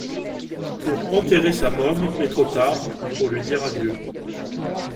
pour enterrer sa môme mais trop tard, pour lui dire adieu.